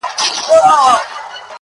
په دې منځ کي باندی تېر سوله کلونه -